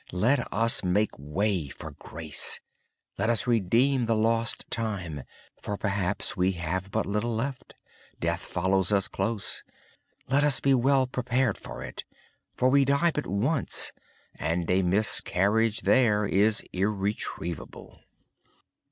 Let us make way for grace. Let us redeem the lost time, for perhaps we have but little left. Death follows us close so let us be well prepared for it. We die but once and a mistake there is irretrievable.